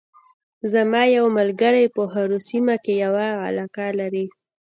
زما یو ملګری په هارو سیمه کې یوه علاقه لري